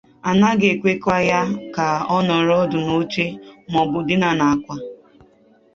a naghị ekwekwa ya ka ọ nọrọ ọdụ n'oche maọbụ dina n'àkwà